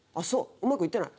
うまくいってない？